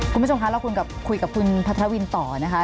คุณผู้ชมคะเราคุยกับคุณพัทรวินต่อนะคะ